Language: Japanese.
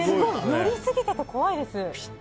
乗りすぎてて怖いです。